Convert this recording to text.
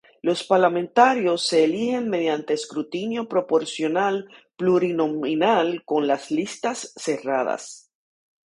Los parlamentarios se eligen mediante escrutinio proporcional plurinominal con listas cerradas.